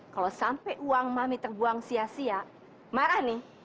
kalau sampai uang mami terbuang sia sia marah nih